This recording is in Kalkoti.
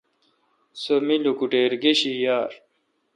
سو می لوکوٹییر گش یار۔